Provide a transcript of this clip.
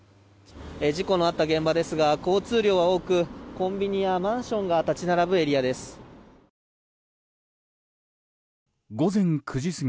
事故のあった現場ですが交通量は多くコンビニやマンションが立ち並ぶエリアです。